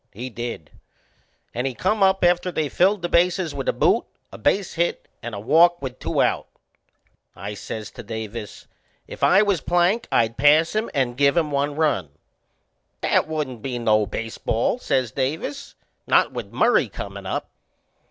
He did, and he come up after they'd filled the bases with a boot, a base hit and a walk with two out. I says to Davis: "If I was Plank I'd pass him and give 'em one run." "That wouldn't be no baseball," says Davis "not with Murray comin' up."